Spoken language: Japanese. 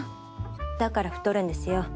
だから太るんですよ。